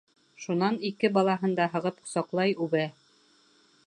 Шунан ике балаһын да һығып ҡосаҡлай, үбә.